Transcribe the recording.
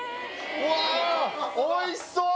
うわーっおいしそう！